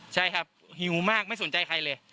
ใช่ครับหิวมากไม่สนใจใครเลย